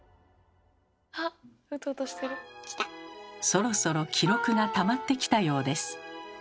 そろそろ記録がたまってきたようです。